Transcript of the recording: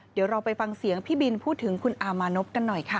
เดี๋ยวเราไปฟังเสียงพี่บินพูดถึงคุณอามานพกันหน่อยค่ะ